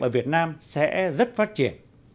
ở việt nam sẽ rất phát triển